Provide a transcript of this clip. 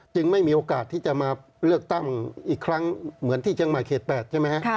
ไม่มีโอกาสที่จะมาเลือกตั้งอีกครั้งเหมือนที่เชียงใหม่เขต๘ใช่ไหมฮะ